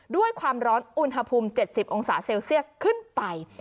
ด้วยความร้อนอุณหภูมิ๗๐องศาเซลเซียสขึ้นไป